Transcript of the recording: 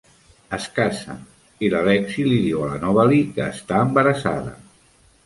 Es case, i la Lexie li diu a la Novalee que està embarassada.